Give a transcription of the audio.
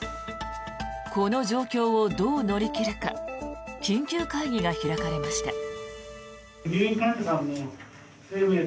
この状況をどう乗り切るか緊急会議が開かれました。